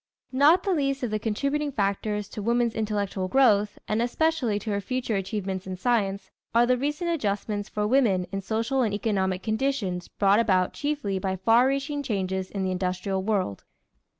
Not the least of the contributing factors to woman's intellectual growth, and especially to her future achievements in science, are the recent adjustments for women in social and economical conditions brought about chiefly by far reaching changes in the industrial world.